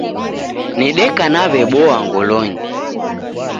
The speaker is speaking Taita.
Nedeka naw'eboa ngolonyi